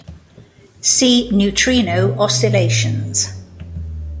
See neutrino oscillations.